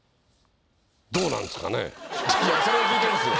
それを聞いてるんですよ。